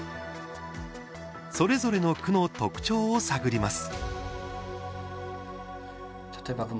それぞれの区の特徴を探ります。